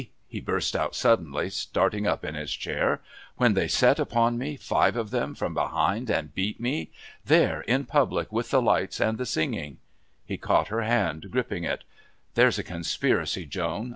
he burst out suddenly, starting up in his chair. "When they set upon me, five of them, from behind and beat me! There in public with the lights and the singing." He caught her hand, gripping it. "There's a conspiracy, Joan.